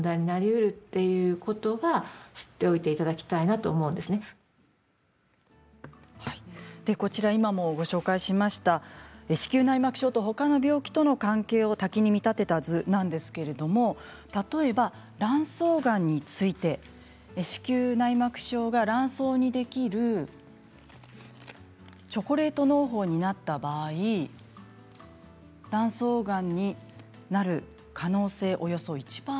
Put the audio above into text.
内膜症で言うところの雨は月経の回数なんですけど毎回、毎回今もご紹介しました子宮内膜症とほかの病気との関係を滝に見立てた図なんですけれども例えば卵巣がんについて子宮内膜症が卵巣にできるチョコレートのう胞になった場合卵巣がんになる可能性、およそ１％。